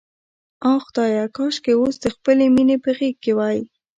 آه خدایه، کاشکې اوس د خپلې مینې په غېږ کې وای.